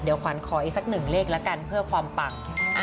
เดี๋ยวขวัญขออีกสักหนึ่งเลขละกันเพื่อความปัง